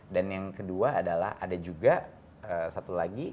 dan yang kedua adalah ada juga satu lagi